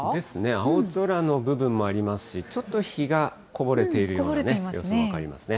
青空の部分もありますし、ちょっと日がこぼれているようなね、様子分かりますね。